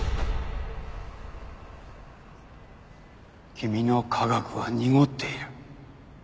君の科学は濁っている。